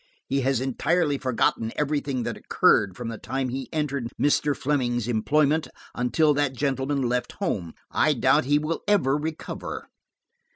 "He has entirely forgotten everything that occurred from the time he entered Mr. Fleming's employment, until that gentleman left home. I doubt if he will ever recover."